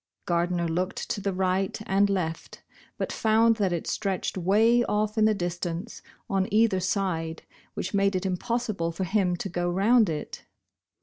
Gardner looked to the right and left, but found that it stretched way off in the distance, on either side, which made it impossible for him to go round it.